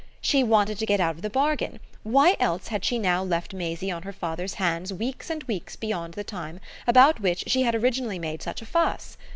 She wanted to get out of the bargain: why else had she now left Maisie on her father's hands weeks and weeks beyond the time about which she had originally made such a fuss?